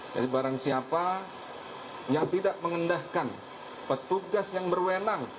jadi barang siapa yang tidak mengendahkan petugas yang berwenang